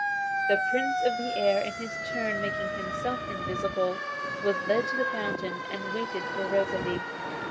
The Prince of the Air, in his turn making himself invisible, was led to the fountain, and waited for Rosalie.